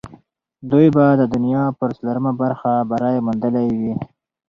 دوی به د دنیا پر څلورمه برخه بری موندلی وي.